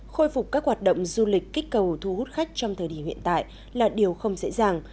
khôi phục các hoạt động du lịch kích cầu thu hút khách trong thời điểm hiện tại là điều không dễ dàng